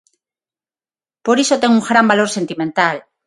Por iso ten un gran valor sentimental.